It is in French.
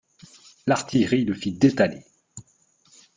L'artillerie le fit détaler.